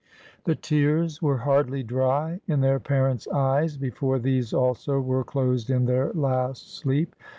The tears were hardly dry in their parents' eyes before these also were closed in their last sleep.